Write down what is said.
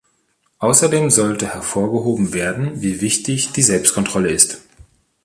Außerdem sollte hervorgehoben werden, wie wichtig die Selbstkontrolle ist.